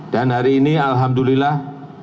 dan hari ini alhamdulillah